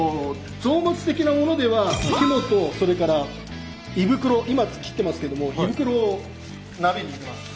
臓物的なものでは肝とそれから胃袋今切ってますけど胃袋を鍋に入れます。